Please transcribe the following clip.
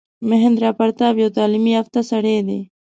مهیندراپراتاپ یو تعلیم یافته سړی دی.